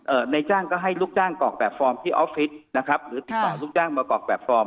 ในจ้างก็ให้ลูกจ้างกรอกแบบฟอร์มที่ออฟฟิศนะครับหรือติดต่อลูกจ้างมากอกแบบฟอร์ม